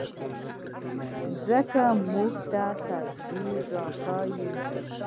مځکه موږ ته تدبر راښيي.